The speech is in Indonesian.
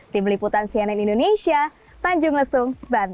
tim liputan cnn indonesia tanjung lesung banten